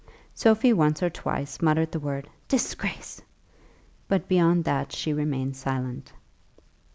Sophie once or twice muttered the word "disgrace!" but beyond that she remained silent.